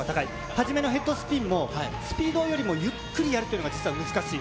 初めのヘッドスピンも、スピードよりもゆっくりやるというのが実は難しい。